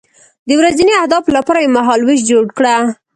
د ورځني اهدافو لپاره یو مهالویش جوړ کړه.